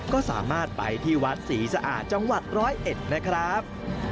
ก็สามารถไปที่วัดศรีสะอาดจังหวัดร้อยเอ็ดนะครับ